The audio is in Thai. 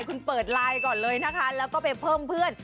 คุณเปิดไลน์ก่อนเลยนะคะแล้วก็ไปเพิ่มเพื่อน